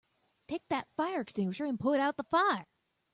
Take that fire extinguisher and put out the fire!